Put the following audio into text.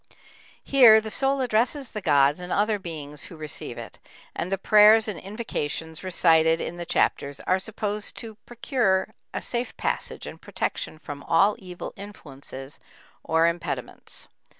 Here the soul addresses the gods and other beings who receive it, and the prayers and invocations recited in the chapters are supposed to procure a safe passage and protection from all evil influences or impediments.